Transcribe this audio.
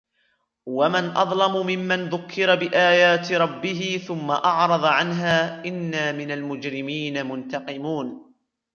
ومن أظلم ممن ذكر بآيات ربه ثم أعرض عنها إنا من المجرمين منتقمون